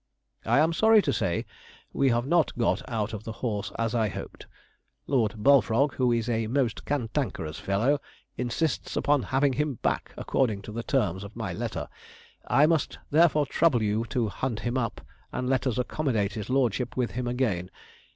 'I am sorry to say we have not got out of the horse as I hoped. Lord Bullfrog, who is a most cantankerous fellow, insists upon having him back, according to the terms of my letter; I must therefore trouble you to hunt him up, and let us accommodate his lordship with him again.